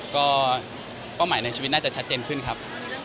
ก็เป้าหมายในชีวิตน่าจะชัดเจนขึ้นครับ